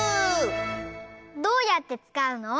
どうやってつかうの？